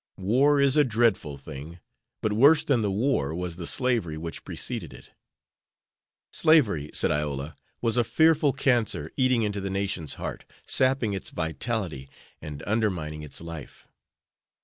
War is a dreadful thing; but worse than the war was the slavery which preceded it." "Slavery," said Iola, "was a fearful cancer eating into the nation's heart, sapping its vitality, and undermining its life."